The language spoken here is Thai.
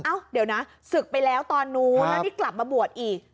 เอ้าเดี๋ยวนะศึกไปแล้วตอนนู้นแล้วนี่กลับมาบวชอีก